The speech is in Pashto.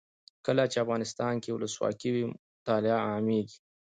کله چې افغانستان کې ولسواکي وي مطالعه عامیږي.